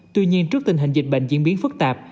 tuy nhiên trước tình hình dịch bệnh diễn biến phức tạp